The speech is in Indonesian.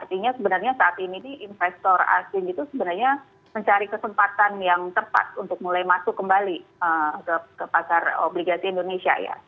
artinya sebenarnya saat ini investor asing itu sebenarnya mencari kesempatan yang tepat untuk mulai masuk kembali ke pasar obligasi indonesia ya